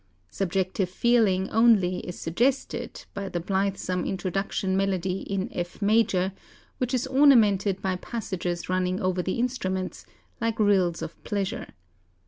Subjective feeling only is suggested by the blithesome introduction melody in F major, which is ornamented by passages running over the instruments, like rills of pleasure.